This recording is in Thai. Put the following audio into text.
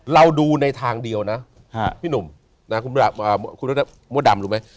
เราดูในทางเดียวนะพี่หนุ่มนะคุณมดดำรู้ไหม